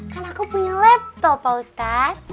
kan aku punya laptop pak ustadz